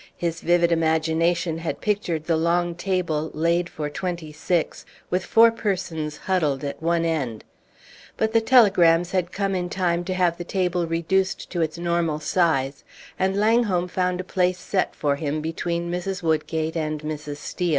His vivid imagination had pictured the long table, laid for six and twenty, with four persons huddled at one end; but the telegrams had come in time to have the table reduced to its normal size, and Langholm found a place set for him between Mrs. Woodgate and Mrs. Steel.